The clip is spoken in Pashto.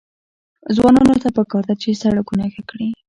ځوانانو ته پکار ده چې، سړکونه ښه کړي.